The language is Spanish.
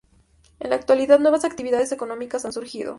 En la actualidad, nuevas actividades económicas han surgido.